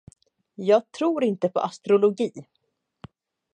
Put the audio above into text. Jag tror inte på astrologi.